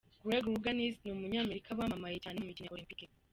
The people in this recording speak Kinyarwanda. Greg Louganis: Ni umunyamerika wamamaye cyane mu mikino ya Olympic.